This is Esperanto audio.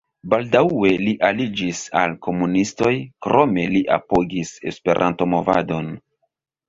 Baldaŭe li aliĝis al komunistoj, krome li apogis Esperanto-movadon.